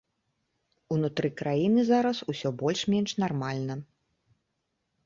Унутры краіны зараз усё больш-менш нармальна.